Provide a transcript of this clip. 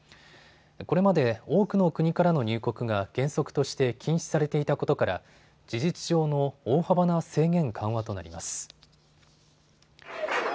これまで多くの国からの入国が原則として禁止されていたことから事実上の大幅な制限緩和となります。